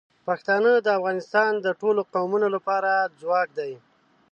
پښتانه د افغانستان د ټولو قومونو لپاره ځواک دي.